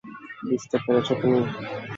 বুঝতে পেরেছো তুমি?